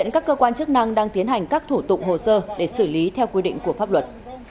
các cơ quan chức năng đang tiến hành các thủ tục hồ sơ để xử lý theo quy định của pháp luật